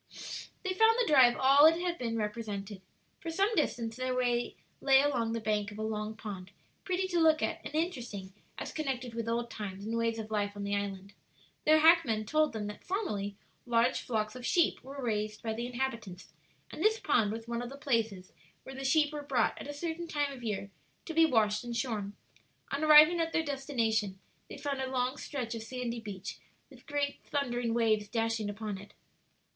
They found the drive all it had been represented. For some distance their way lay along the bank of a long pond, pretty to look at and interesting as connected with old times and ways of life on the island. Their hackmen told them that formerly large flocks of sheep were raised by the inhabitants, and this pond was one of the places where the sheep were brought at a certain time of year to be washed and shorn. On arriving at their destination, they found a long stretch of sandy beach, with great thundering waves dashing upon it.